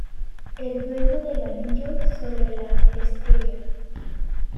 El dueño del anillo sobre la estrella.